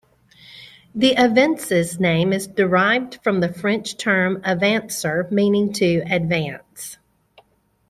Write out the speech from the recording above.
The Avensis name is derived from the French term "avancer", meaning "to advance.